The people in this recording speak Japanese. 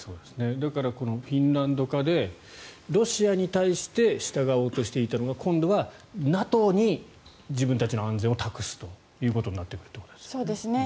だから、フィンランド化でロシアに対して従おうとしていたのが今度はＮＡＴＯに自分たちの安全を託すということになってくるということですね。